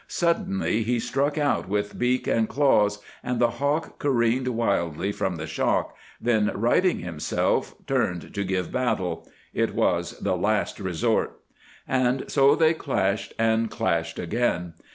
Suddenly he struck out with beak and claws, and the hawk careened wildly from the shock, then righting himself, turned to give battle—it was the last resort. And so they clashed and clashed again.